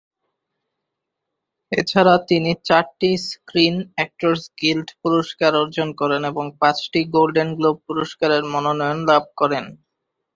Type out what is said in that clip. এছাড়া তিনি চারটি স্ক্রিন অ্যাক্টরস গিল্ড পুরস্কার অর্জন করেন এবং পাঁচটি গোল্ডেন গ্লোব পুরস্কারের মনোনয়ন লাভ করেন।